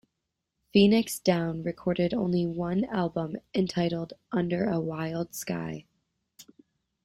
Phoenix Down recorded only one album, entitled "Under A Wild Sky".